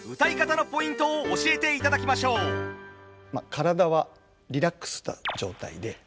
体はリラックスした状態で。